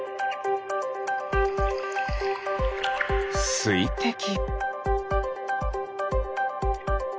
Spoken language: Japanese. すいてき。